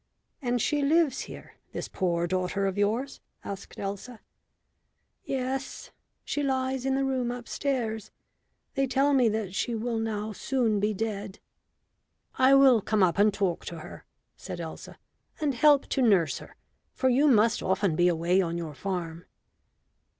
"And she lives here, this poor daughter of yours?" asked Elsa. "Yes; she lies in the room upstairs. They tell me that she will now soon be dead." "I will come up and talk to her," said Elsa, "and help to nurse her, for you must often be away on your farm."